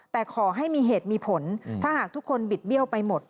แต่ขอให้มีเหตุมีผลถ้าหากทุกคนบิดเบี้ยวไปหมด